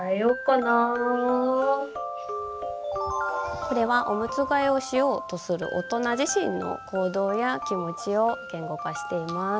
これはおむつ替えをしようとする大人自身の行動や気持ちを言語化しています。